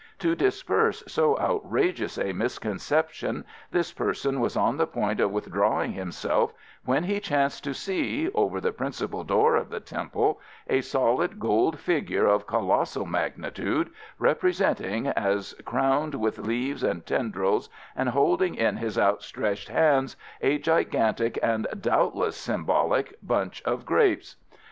To disperse so outrageous a misconception this person was on the point of withdrawing himself when he chanced to see, over the principal door of the Temple, a solid gold figure of colossal magnitude, represented as crowned with leaves and tendrils, and holding in his outstretched hands a gigantic, and doubtless symbolic, bunch of grapes.